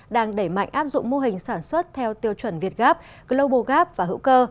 đang đẩy mạnh áp dụng mô hình sản xuất theo tiêu chuẩn việt gap global gap và hữu cơ